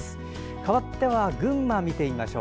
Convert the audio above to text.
かわって群馬を見ていきましょう。